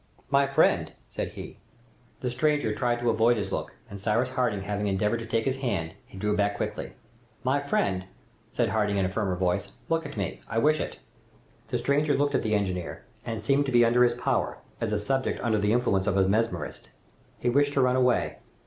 "My friend!" said he. The stranger tried to avoid his look, and Cyrus Harding having endeavored to take his hand, he drew back quickly. "My friend," said Harding in a firmer voice, "look at me, I wish it!" The stranger looked at the engineer, and seemed to be under his power, as a subject under the influence of a mesmerist. He wished to run away.